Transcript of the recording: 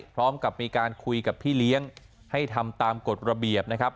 พร้อมกับมีการคุยกับพี่เลี้ยงให้ทำตามกฎระเบียบนะครับ